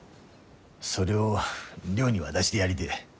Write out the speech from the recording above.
それを亮に渡してやりでえ。